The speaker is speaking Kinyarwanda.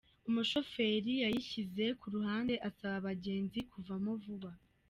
Umushoferi yayishyize ku ruhande asaba abagenzi kuvamo vuba